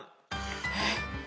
えっ？